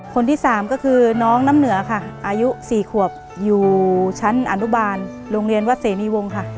คนที่สามน้้องน้ำเหนืออายุ๔ครับอยู่ชั้นอนุบาลโรงเรียนวัทย์เซมีวงค่ะ